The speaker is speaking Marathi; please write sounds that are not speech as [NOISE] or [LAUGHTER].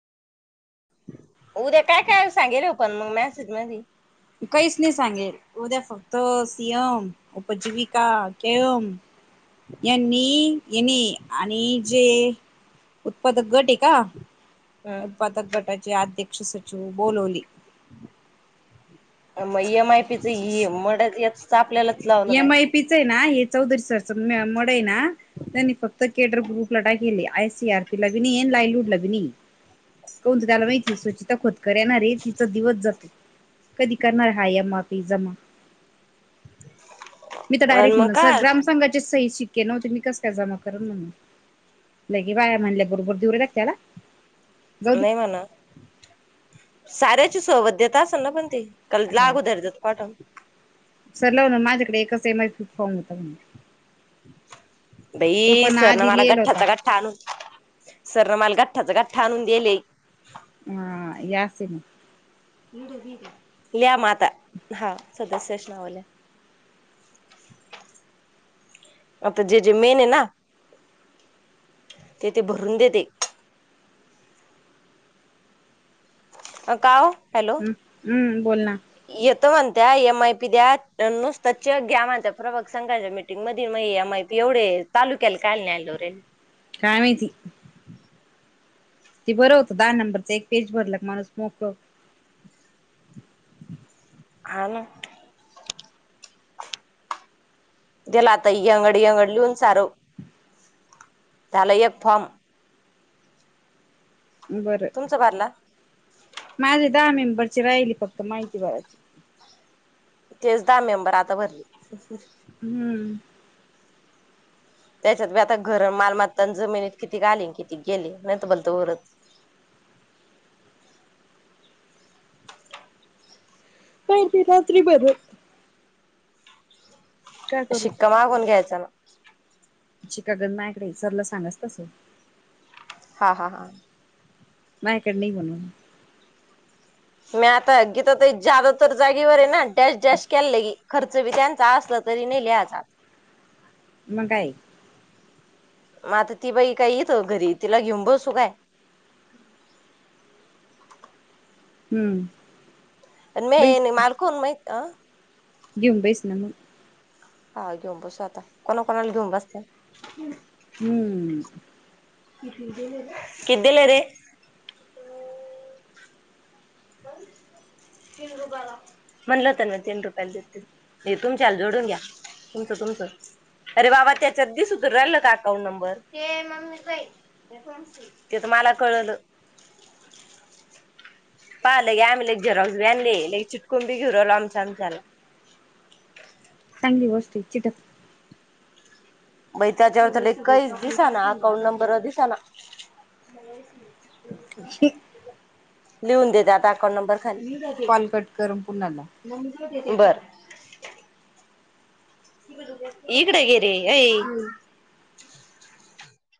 उद्या काय-काय सांगितलं पण मग मॅसेज मध्ये. काहीच नाही सांगेल. उद्या फक्त सी. एम उपजीविका के. यम यांनी येणे आणि जे उत्पादक गट आहे का. ह उत्पादक गटाचे अध्यक्ष सचिव बोलवले. मग ए. एम. आय. पीच. मड आपल्याला. एम आय पी चय नाय हे चौदरी सर मॅडम आहे ना त्यांनी फक्त केडर ग्रुपला टाकीलिया. आय सी आर पी ला बी नाई आणी लायलूडला पण नाई. कोणतर त्याला माहिती हाय सुचिता खोतकर येणार हाये तिचा दिवस जातो. कधी करणार ए हाय माफी जमा मी तर आणि डायरेक्ट मग म्हणन सर काय ग्रामसघाची ताई शिकके नव्हते मी कस काय जमा करून म्हणून लगे बाया म्हणल्या बरोबर देऊ रट्याला नाही म्ह ना. साऱ्याची सोबत देत असल ना पण ती हा सरलाव ना माझ्याकडे एकच सेम च फॉर्म होता कणी बाई सरन आधी मला लिहिला होता गठ्ठाचा गठ्ठा आणू सरन मला ग. त्याचं गठ्ठा आणून दिलेय. हा या सिन. लिया म आ. त्या हा. सदस्याच नाव ल्ह्या आता जे जे मेन आहे ना ते ते भरून देते. अ काओ हॅलो हम् हम्म बोल ना येतो म्हणतिया ए माय ते द्या नुसत चेक घ्या म्हणत्यात, प्रभाग संघाच्या मीटिंग मधे म माय एवढे तालुक्याला कायला नाही आणलं रे काय माहिती ती बरं होती.? धा नंबरच एक पेज भरला की माणूस मोकळं होतं. हा ना गेला आता यंगड यंगड लिहून सारं. झाला एक फॉर्म. बरं तुमचा भरला माझ दहा मेंबरची राहिली फक्त माहिती भरायची. तेच दहा मेंबर आता भरले. हम्म. त्याच्यातबी आता घरं, मालमत्ता, अन् जमिनीत किती घाली किती गेली नाही तर म्हणातो तो वरच. काय ते रात्री बदल? शिक्का मागून घ्यायचा ना. [UNINTELLIGIBLE] शिका काय मायकड हिसाबला सांगायचं तसं. हा हा हा. माझ्याकडं नाही म्हणून. म्या आता गीता ताई ज्यादातर जागेवर आहे ना. डॅशडॅश केलंय खर्च संविधानाचा असलं तरी न लिहायचा आता. मग काय? मग आता ती बाई काही इथं घरी, तिला घेऊन बसू काय? हम्म. आणि मे बैस आणि मालकोनू मै. आं. घेऊन बैस ना मग. हा घेऊन बसू आता, कोणा कोणाला घेऊन बसत्या? हम्म. किती दिलं रे? तीन रुपयाला. म्हणलं होतं ना तीन रुपयाला देतील. हे तुमच्याला जोडून घ्या तुमचं तुमचं. अरे बाबा त्याच्यात दिसूचं राहिलं का अकाउंट नंबर? तेच मला कळलं. पाहिलं क आम्ही लगी एक झेरॉक्सबी आणले. लय चिटकवून बी घीऊन बी आलो आमच्या आमच्याला. चांगली गोष्ट आहे चिटक मई त्याच्यावर तर लईच काहीच दिसंना. अकाउंट नंबरवर दिसंना. लिहून दे ते आता अकाउंट नंबर. खाली. कॉल कट कर अन् पुन्हा लाव. बरं. इकडं ये रे अई.